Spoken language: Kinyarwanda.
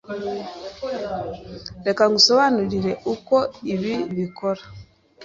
Reka ngusobanurire uko ibi bikora.